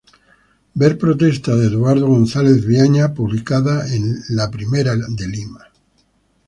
Ver protesta de Eduardo Gonzales Viaña, publicada en "La Primera de Lima".